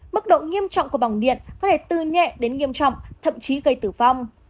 mức độ nghiêm trọng của bằng điện có thể từ nhẹ đến nghiêm trọng thậm chí gây tử vong